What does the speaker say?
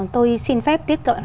tôi xin phép tiết cận